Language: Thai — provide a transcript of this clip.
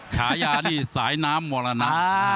ฉายานี่สายน้ำมรณะ